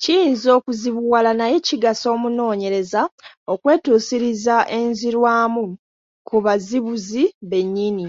Kiyinza okuzibuwala naye kigasa omunoonyereza okwetuusiriza enzirwamu ku bazibuzi bennyini.